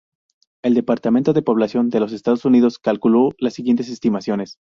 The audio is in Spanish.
El departamento de población de los Estados Unidos calculó las siguientes estimaciones.